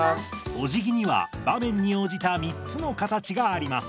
お辞儀には場面に応じた３つの形があります。